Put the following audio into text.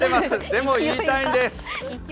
でも、言いたいんです。